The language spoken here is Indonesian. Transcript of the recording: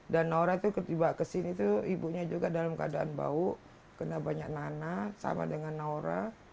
dan noura itu ketiba kesini tuh ibunya juga dalam keadaan bau kena banyak nana sama dengan noura